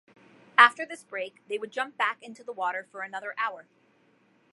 After this break, they would jump back into the water for another hour.